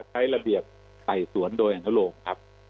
ใช้ระเบียบไต่สวนโดยอนุโลมครับ